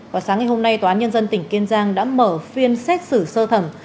vào sáng ngày hôm nay tòa án nhân dân tỉnh kiên giang đã mở phiên xét xử sơ thẩm